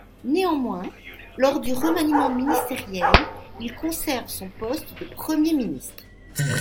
Néanmoins, lors du remaniement ministériel, il conserve son poste de Premier ministre.